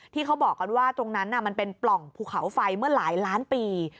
เขาบอกกันว่าตรงนั้นมันเป็นปล่องภูเขาไฟเมื่อหลายล้านปี